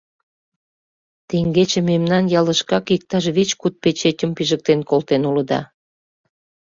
Теҥгече мемнан ялышкак иктаж вич-куд печетым пижыктен колтен улыда.